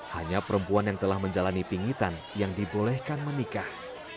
hanya perempuan yang telah menjalani pingitan yang dibolehkan menikah